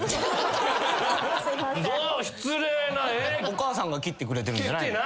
お母さんが切ってくれてるんじゃないの？